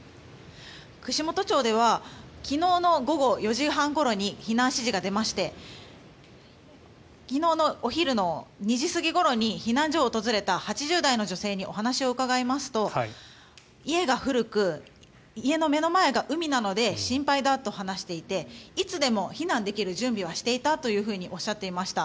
串本町では昨日の午後４時半ごろに避難指示が出まして昨日のお昼の２時過ぎごろに避難所を訪れた８０代の女性にお話を伺いますと家が古く家の目の前が海なので心配だと話していていつでも避難できる準備はしていたとおっしゃっていました。